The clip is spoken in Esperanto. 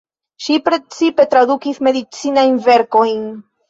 Ŝi precipe tradukis medicinajn verkojn.